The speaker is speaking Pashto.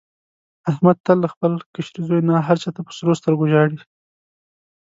احمد تل له خپل کشري زوی نه هر چا ته په سرو سترګو ژاړي.